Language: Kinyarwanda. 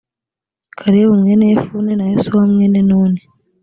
kalebu mwene yefune na yosuwa mwene nuni